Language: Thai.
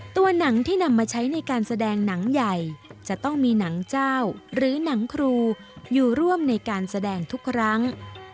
ตัวหนังที่นำมาใช้ในการแสดงหนังใหญ่จะต้องมีหนังเจ้าหรือหนังครูอยู่ร่วมในการแสดงทุกครั้ง